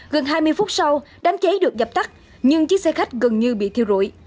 gần hai mươi phút sau đám cháy được dập tắt nhưng chiếc xe khách gần như bị thiêu rụi